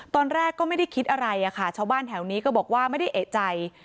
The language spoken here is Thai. ตอนแรกก็ไม่ได้คิดอะไรอะค่ะชาวบ้านแถวนี้ก็บอกว่าไม่ได้เอกใจ